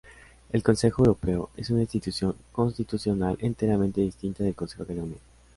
El Consejo Europeo es una Institución constitucional enteramente distinta del Consejo de la Unión.